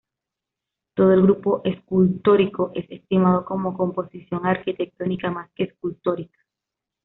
Todo el grupo escultórico es estimado como composición arquitectónica más que escultórica.